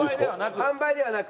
販売ではなく。